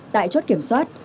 tại chốt kiểm soát